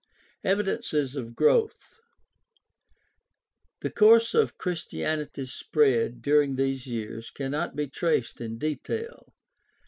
Evidences of growth. — The course of Christianity's spread during these years cannot be traced in detail.